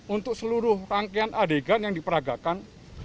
untuk seluruh rangkaian adegan yang diperagakan